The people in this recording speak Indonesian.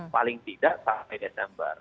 paling tidak sampai desember